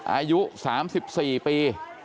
อายุ๓๔ปี